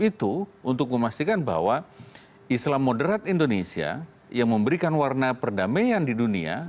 itu untuk memastikan bahwa islam moderat indonesia yang memberikan warna perdamaian di dunia